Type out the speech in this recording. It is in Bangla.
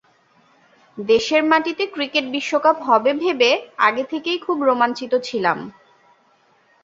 দেশের মাটিতে ক্রিকেট বিশ্বকাপ হবে ভেবে আগে থেকেই খুব রোমাঞ্চিত ছিলাম।